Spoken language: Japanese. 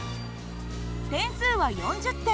点数は４０点。